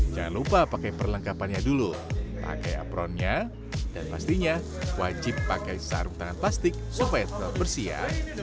jangan lupa pakai perlengkapannya dulu pakai apronnya dan pastinya wajib pakai sarung tangan plastik supaya tetap bersih ya